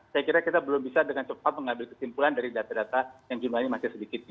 saya kira kita belum bisa dengan cepat mengambil kesimpulan dari data data yang jumlahnya masih sedikit